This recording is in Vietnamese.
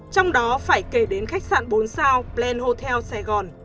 trong đó phải kể đến khách sạn bốn sao plain hotel saigon